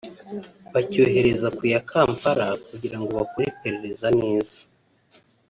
bacyohereza ku ya Kampala kugira ngo bakore iperereza neza